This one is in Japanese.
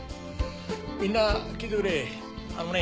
みんな聞いてくれ。